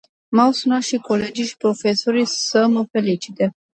M-au sunat și colegii și profesorii să mă felicite.